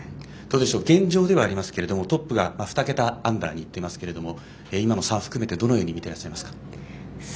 現状ではありますけれどもトップが２桁アンダーにいってますけど今の差、含めてどのように見ていますか？